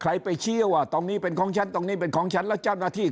คราวนี้เจ้าหน้าที่ป่าไม้รับรองแนวเนี่ยจะต้องเป็นหนังสือจากอธิบดี